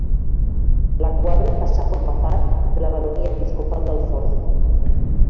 La Quadra passà a formar part de la baronia episcopal d'Alforja.